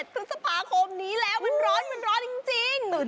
๒๗พฤษภาคมนี้แล้วมันร้อนจริง